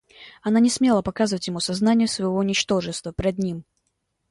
Она не смела показывать ему сознание своего ничтожества пред ним.